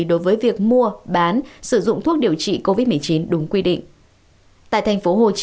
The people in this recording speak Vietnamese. đối với việc mua bán sử dụng thuốc điều trị covid một mươi chín đúng quy định